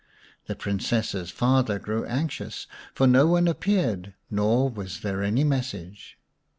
The Princess's father grew anxious, for no one appeared, nor was there any message.